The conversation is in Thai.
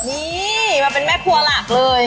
นี่มาเป็นแม่ครัวหลักเลย